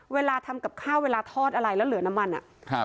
เวลาทำกับข้าวเวลาทอดอะไรแล้วเหลือน้ำมันอ่ะครับ